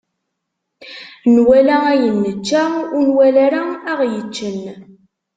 Nwala ayen nečča, ur nwala ara aɣ-yeččen.